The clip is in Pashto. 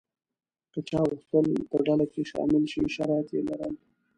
که چا غوښتل په ډله کې شامل شي شرایط یې لرل.